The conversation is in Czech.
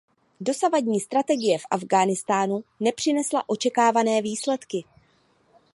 Dosavadní strategie v Afghánistánu nepřinesla očekávané výsledky.